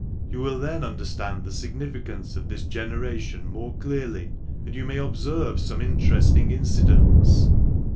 You will then understand the significance of this generation more clearly, and you may observe some interesting incidents."